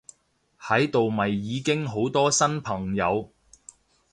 喺度咪已經好多新朋友！